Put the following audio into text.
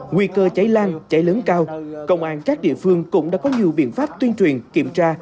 nguy cơ cháy lan cháy lớn cao công an các địa phương cũng đã có nhiều biện pháp tuyên truyền kiểm tra